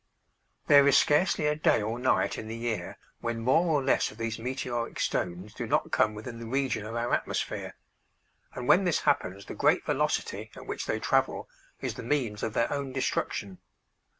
There is scarcely a day or night in the year when more or less of these meteoric stones do not come within the region of our atmosphere, and when this happens the great velocity at which they travel is the means of their own destruction.